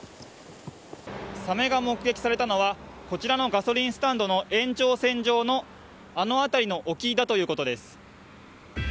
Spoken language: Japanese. サメが目撃されたのはこちらのガソリンスタンドの延長線上の、あの辺りの沖だということです。